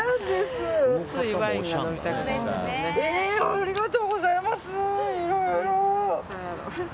ありがとうございますいろいろ。